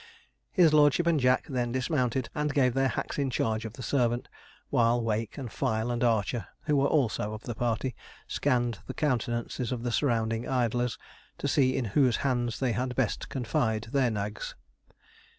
His lordship and Jack then dismounted, and gave their hacks in charge of the servant; while Wake, and Fyle, and Archer, who were also of the party, scanned the countenances of the surrounding idlers, to see in whose hands they had best confide their nags.